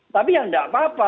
tapi ya tidak apa apa